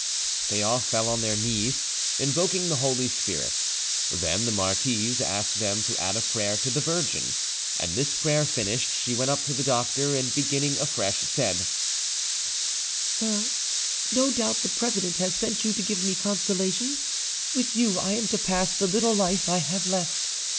They all fell on their knees invoking the Holy Spirit; then the marquise asked them to add a prayer to the Virgin, and, this prayer finished, she went up to the doctor, and, beginning afresh, said: "Sir, no doubt the president has sent you to give me consolation: with you I am to pass the little life I have left.